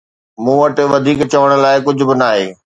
مون وٽ وڌيڪ چوڻ لاءِ ڪجهه به ناهي